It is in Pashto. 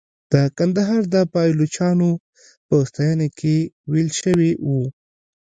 د کندهار د پایلوچانو په ستاینه کې ویل شوې وه.